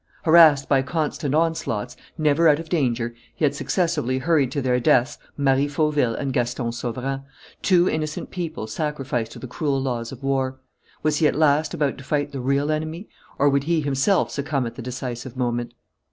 Harassed by constant onslaughts, never out of danger, he had successively hurried to their deaths Marie Fauville and Gaston Sauverand, two innocent people sacrificed to the cruel laws of war. Was he at last about to fight the real enemy, or would he himself succumb at the decisive moment?